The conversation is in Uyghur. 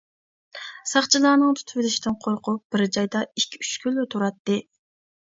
ساقچىلارنىڭ تۇتۇۋېلىشىدىن قورقۇپ بىر جايدا ئىككى-ئۈچ كۈنلا تۇراتتى.